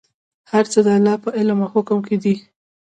هر څه د الله په علم او حکم کې دي.